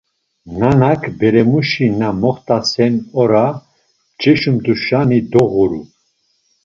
Nanak, beremuşi na moxt̆asen ora mç̌eşumt̆uşani doğuru.